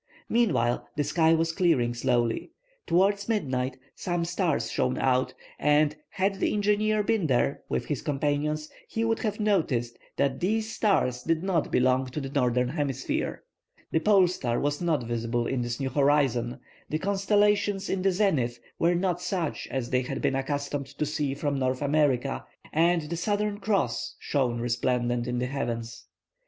Meanwhile the sky was clearing slowly. Towards midnight, some stars shone out, and, had the engineer been there with his companions, he would have noticed that these stars did not belong to the northern hemisphere. The pole star was not visible in this new horizon, the constellations in the zenith were not such as they had been accustomed to see from North America, and the Southern Cross shone resplendent in the heavens.